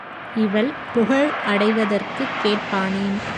இவள் புகழ் அடைவதற்குக் கேட்பானேன்!